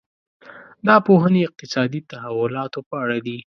دا پوهنې اقتصادي تحولاتو په اړه دي.